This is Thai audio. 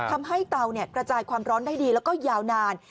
เตากระจายความร้อนได้ดีแล้วก็ยาวนาน